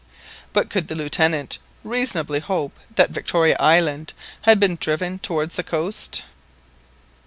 But could the Lieutenant reasonably hope that Victoria Island had been driven towards the coast?